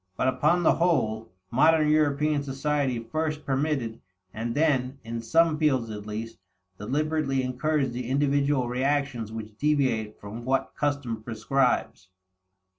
But, upon the whole, modern European society first permitted, and then, in some fields at least, deliberately encouraged the individual reactions which deviate from what custom prescribes.